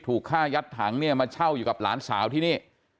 ถูกฆ่ายัดถังเนี่ยมาเช่าอยู่กับหลานสาวที่นี่